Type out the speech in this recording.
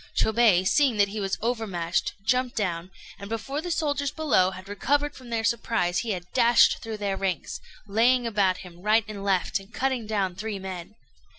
Chôbei, seeing that he was overmatched, jumped down, and before the soldiers below had recovered from their surprise he had dashed through their ranks, laying about him right and left, and cutting down three men.